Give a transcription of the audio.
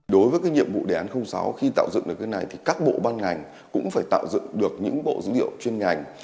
đối với cái nhiệm vụ đề án sáu khi tạo dựng được cái này thì các bộ ban ngành cũng phải tạo dựng được những bộ dữ liệu chuyên ngành